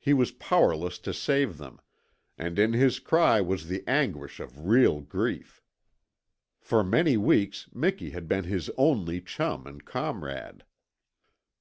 He was powerless to save them, and in his cry was the anguish of real grief. For many weeks Miki had been his only chum and comrade.